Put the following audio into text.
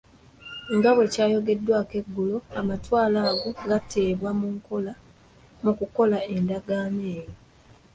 Nga bwe kyayogeddwako engulu, amatwale ago gaateebwa mu kukola Endagaano eyo.